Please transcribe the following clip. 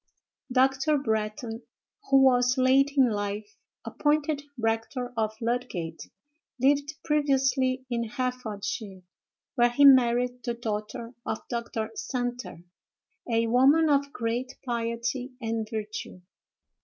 Dr. Bretton, who was, late in life, appointed rector of Ludgate, lived previously in Herefordshire, where he married the daughter of Dr. Santer, a woman of great piety and virtue.